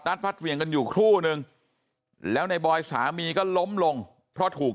ฟัดเหวี่ยงกันอยู่ครู่นึงแล้วในบอยสามีก็ล้มลงเพราะถูก